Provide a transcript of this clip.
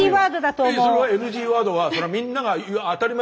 それはＮＧワードはみんなが言ううん。